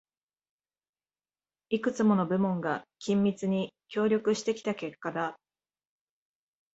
いくつもの部門が緊密に協力してきた成果だ